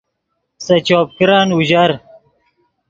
سے چوپ کرن اوژر